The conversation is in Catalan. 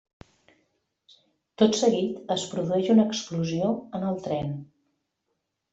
Tot seguit es produeix una explosió en el tren.